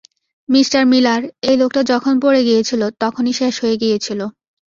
Mister Miller, এই লোকটা যখন পড়ে গিয়েছিল, তখনই শেষ হয়ে গিয়েছিল।